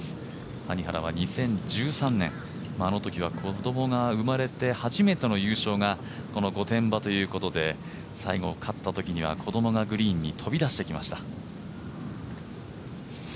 谷原は２０１３年、あのときは子供が生まれてはじめての優勝がこの御殿場ということで最後、勝ったときには子供がグリーンに飛び出してきました。